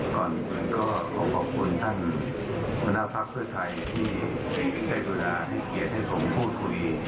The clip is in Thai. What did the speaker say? ก่อนก็ขอบคุณท่านมณาภักดิ์เพื่อใครที่เก็บเวลาให้เกียรติให้ผมพูดคุย